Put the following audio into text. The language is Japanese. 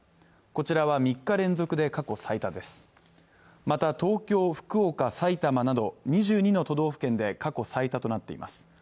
こちらは３日連続で過去最多ですまた東京、福岡、埼玉など２２の都道府県で過去最多となっています